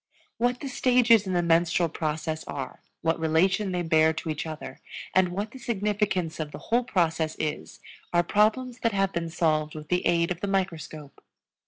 What the stages in the menstrual process are, what relation they bear to each other, and what the significance of the whole process is, are problems that have been solved with the aid of the microscope.